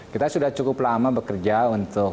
kita sudah cukup lama bekerja untuk